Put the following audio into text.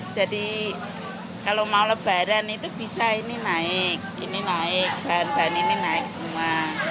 jadi kalau mau lebaran itu bisa ini naik ini naik bahan bahan ini naik semua